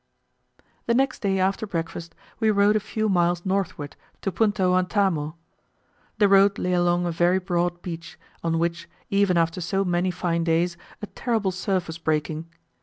The next day after breakfast, we rode a few miles northward to Punta Huantamo. The road lay along a very broad beach, on which, even after so many fine days, a terrible surf was breaking.